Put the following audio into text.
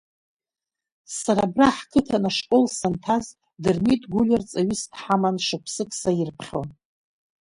Сара абра ҳқыҭан ашкол санҭаз Дырмит Гәлиа рҵаҩыс дҳаман, шықәсык саирԥхьон.